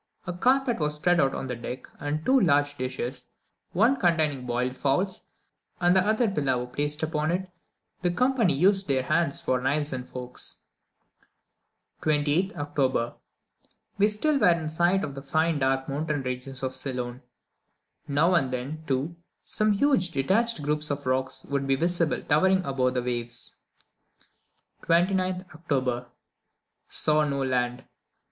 A carpet was spread out upon the deck, and two large dishes, one containing boiled fowls, and the other pillau, placed upon it; the company used their hands for knives and forks. 28th October. We still were in sight of the fine dark mountain ranges of Ceylon. Now and then, too, some huge detached groups of rocks would be visible towering above the waves. 29th October. Saw no land.